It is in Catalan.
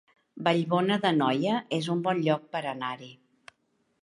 Vallbona d'Anoia es un bon lloc per anar-hi